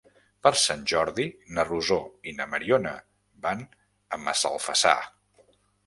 Per Sant Jordi na Rosó i na Mariona van a Massalfassar.